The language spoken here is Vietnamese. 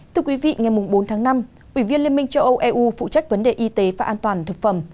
thưa quý vị ngày bốn tháng năm ủy viên liên minh châu âu eu phụ trách vấn đề y tế và an toàn thực phẩm